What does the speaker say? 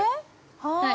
はい。